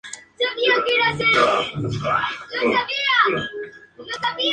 Debido a su ubicación, Punta Sal goza de sol brillante durante todo el año.